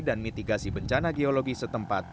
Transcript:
dan mitigasi bencana geologi setempat